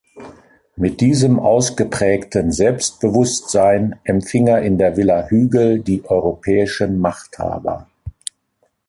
Mit diesem ausgeprägten Selbstbewusstsein empfing er in der Villa Hügel die europäischen Machthaber.